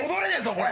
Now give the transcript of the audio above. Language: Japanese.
これ。